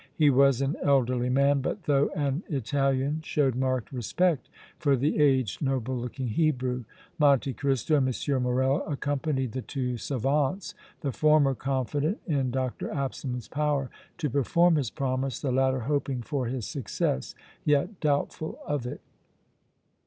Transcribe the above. He was an elderly man, but though an Italian showed marked respect for the aged, noble looking Hebrew. Monte Cristo and M. Morrel accompanied the two savants, the former confident in Dr. Absalom's power to perform his promise, the latter hoping for his success, yet doubtful of it.